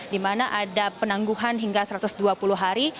dimana ada penangguhan satu ratus dua puluh hari